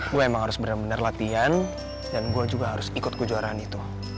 gue emang harus bener bener latihan dan gue juga harus ikut ke juaraan itu